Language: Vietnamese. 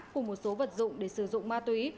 cùng một số vật dụng để sử dụng ma túy